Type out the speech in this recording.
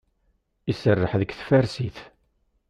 Iserreḥ deg tfarsit.